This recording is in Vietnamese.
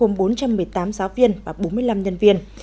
gồm bốn trăm một mươi tám giáo viên và bốn mươi năm nhân viên